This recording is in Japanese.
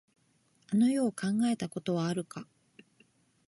あの世を考えたことはあるか。